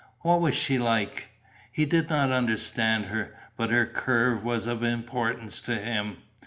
What was she like? He did not understand her. But her curve was of importance to him.